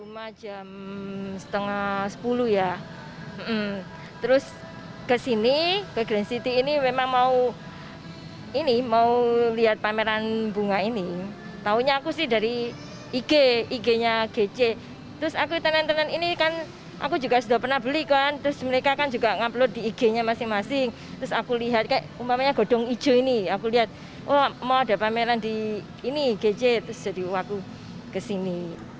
mau ada pameran di ini gj terus di uaku ke sini